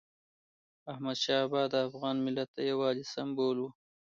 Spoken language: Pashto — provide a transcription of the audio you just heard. احمدشاه بابا د افغان ملت د یووالي سمبول و.